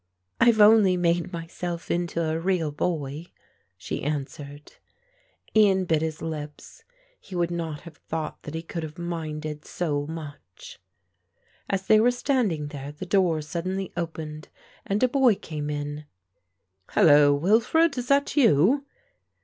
"I've only made myself into a real boy," she answered. Ian bit his lips; he would not have thought that he could have minded so much. As they were standing there the door suddenly opened and a boy came in. "Hullo, Wilfred! is that you?"